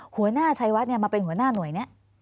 หัวหน้าชัยวัดมาเป็นหัวหน้าหน่วยนี้